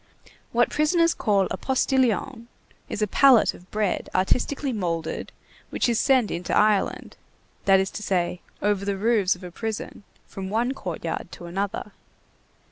What prisoners call a "postilion" is a pallet of bread artistically moulded, which is sent into Ireland, that is to say, over the roofs of a prison, from one courtyard to another.